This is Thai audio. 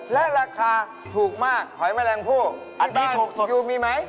และราคาถูกมากหอยแมลงผู้ที่ถูกสุดอยู่มีไหม